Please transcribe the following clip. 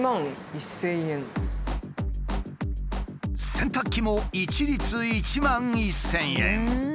洗濯機も一律１万１，０００円。